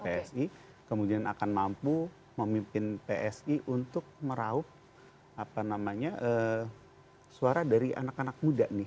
psi kemudian akan mampu memimpin psi untuk meraup suara dari anak anak muda nih